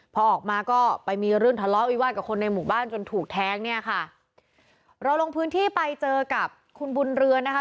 พอออกมาก็ไปมีเรื่องทะเลาะวิวาสกับคนในหมู่บ้านจนถูกแทงเนี่ยค่ะเราลงพื้นที่ไปเจอกับคุณบุญเรือนนะคะ